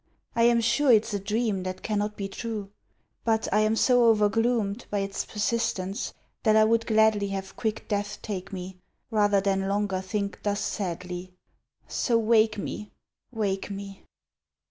I am sure it's a dream that cannot be true, But I am so overgloomed By its persistence, that I would gladly Have quick death take me, Rather than longer think thus sadly; So wake me, wake me!